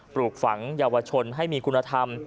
ปลูกฝังเยาวชนให้มีคุณธรรม